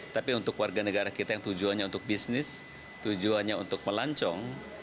tapi untuk warga negara kita yang tujuannya untuk bisnis tujuannya untuk melancong